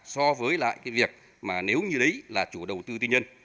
so với lại việc nếu như đấy là chủ đầu tư tiên nhân